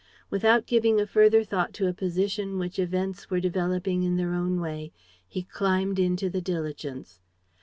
Without giving a further thought to a position which events were developing in their own way, he climbed into the diligence.